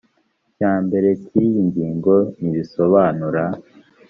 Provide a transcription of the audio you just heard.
cya mbere cy iyi ngingo ntibisobanura